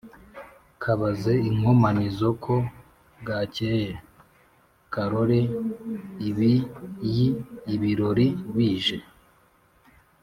kabaze inkomanizo ko bwakeye; karore ibiìyi ibirori bije;